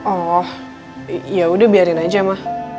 oh ya udah biarin aja ma